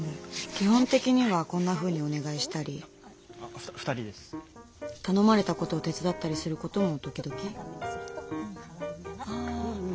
基本的にはこんなふうにお願いしたり頼まれたことを手伝ったりすることも時々？